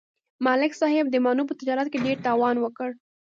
ملک صاحب د مڼو په تجارت کې ډېر تاوان وکړ.